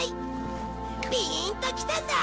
ピーンときたんだ！